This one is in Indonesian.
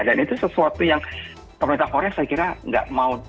dan itu sesuatu yang pemerintah korea saya kira nggak mau